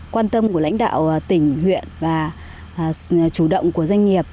quan tâm của lãnh đạo tỉnh huyện và chủ động của doanh nghiệp